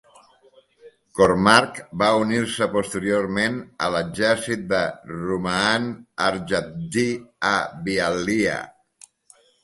Cormac va unir-se posteriorment a l'exèrcit de Rumaan Harjavti a Bialya.